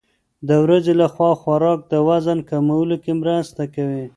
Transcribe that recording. د ورځې لخوا خوراک د وزن کمولو کې مرسته کوي.